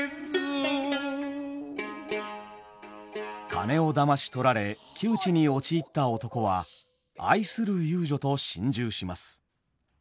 金をだまし取られ窮地に陥った男は愛する遊女と心中します。